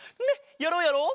やろうやろう！